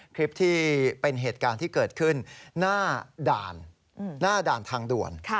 คลิปที่เป็นเหตุการณ์ที่เกิดขึ้นหน้าด่านหน้าด่านทางด่วน